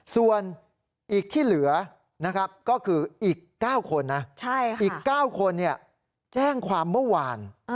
ส่วนอีกที่เหลือนะครับก็คืออีก๙คนนะอีก๙คนแจ้งความเมื่อวาน